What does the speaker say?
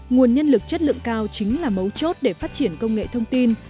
nguồn nhân lực chất lượng cao chính là mấu chốt để phát triển công nghệ thông tin